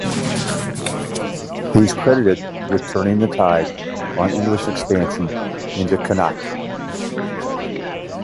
He is credited with turning the tide on English expansion into Connacht.